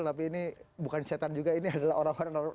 tapi ini bukan setan juga ini adalah orang orang